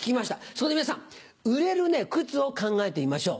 そこで皆さん売れる靴を考えてみましょう。